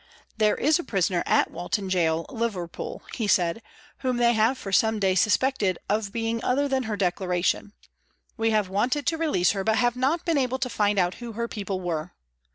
" There is a prisoner at Walton Gaol, Liverpool," he said, " whom they have for some days suspected of being other than her declaration. We have wanted to release her, but have not been able to find out who her people were."